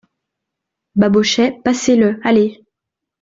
Babochet Passez-le, allez !